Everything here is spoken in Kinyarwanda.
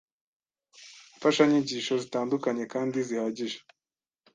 Imfashanyigisho zitandukanye kandi zihagije